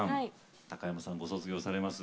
高山さん、ご卒業されます。